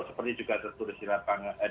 seperti juga tertulis di lapangan